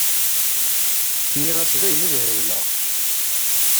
Nniɣ-as dayen ad hebleɣ.